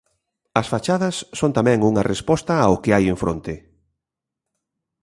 As fachadas son tamén unha resposta ao que hai en fronte.